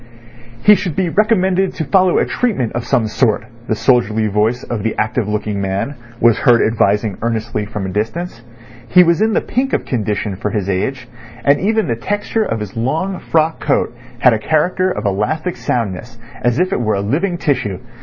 "He should be recommended to follow a treatment of some sort," the soldierly voice of the active looking man was heard advising earnestly from a distance. He was in the pink of condition for his age, and even the texture of his long frock coat had a character of elastic soundness, as if it were a living tissue.